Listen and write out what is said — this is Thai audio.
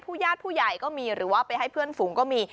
ญาติผู้ใหญ่ก็มีหรือว่าไปให้เพื่อนฝูงก็มี